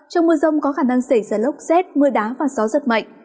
trong mưa rông có khả năng xảy ra lốc xét mưa đá và gió giật mạnh